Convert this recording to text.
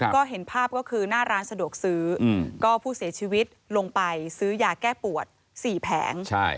ก็เห็นภาพก็คือหน้าร้านสะดวกซื้อก็ผู้เสียชีวิตลงไปซื้อยาแก้ปวด๔แผง